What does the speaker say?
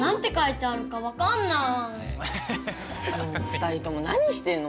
もう２人とも何してんの？